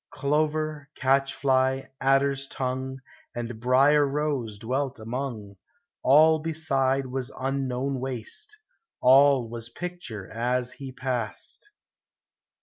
Clover, catchfly, adder's tongue, And brier rose, dwelt among: All beside was unknown waste. All was picture as he passed.